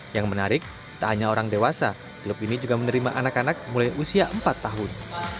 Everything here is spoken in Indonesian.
yang menarik tak hanya orang dewasa klub ini juga menerima anak anak mulai usia empat tahun